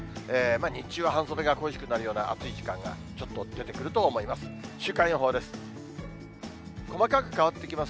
日中は半袖が恋しくなるような暑い時間がちょっと出てくると思います。